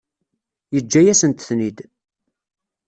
Yeǧǧa-yasent-ten-id.